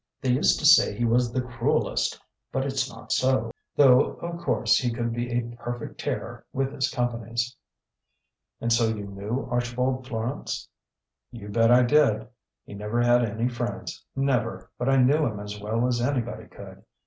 They used to say he was the cruellest, but it's not so. Though of course he could be a perfect terror with his companies." "And so you knew Archibald Florance?" "You bet I did. He never had any friends never but I knew him as well as anybody could.